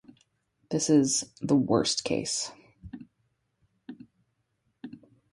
This is the "worst case".